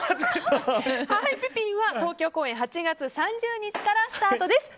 「ピピン」は東京公演８月３０日からスタートです。